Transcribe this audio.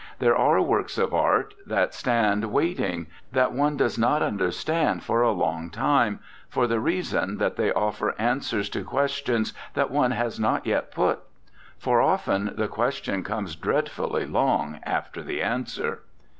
There are works of art that stand waiting, that one does not understand for a long time, for the reason that they offer answers to questions that one has not yet put; for often the question comes dreadfully long after the answer."